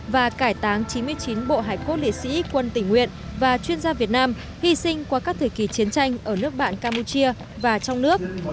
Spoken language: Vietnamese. và cải táng chín mươi chín bộ hải cốt liệt sĩ quân tỉnh nguyện và chuyên gia việt nam hy sinh qua các thời kỳ chiến tranh ở nước bạn campuchia và trong nước